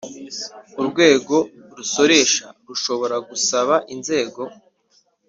Urwego rusoresha rushobora gusaba inzego